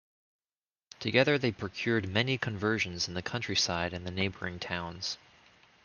Together they procured many conversions in the countryside and the neighbouring towns.